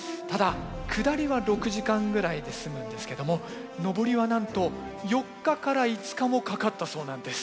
ただ下りは６時間ぐらいで済むんですけども上りはなんと４日から５日もかかったそうなんです。